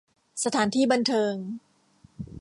สถานที่บันเทิง